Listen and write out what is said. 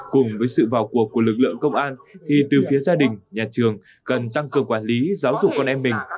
cùng với sự vào cuộc của lực lượng công an thì từ phía gia đình nhà trường cần tăng cường quản lý giáo dục con em mình